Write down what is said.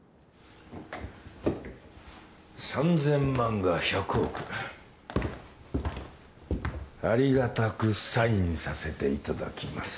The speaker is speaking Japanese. ３０００万が１００億ありがたくサインさせていただきます